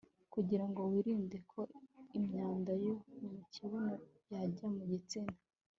kugira ngo wirinde ko imyanda yo mu kibuno yajya mu gitsina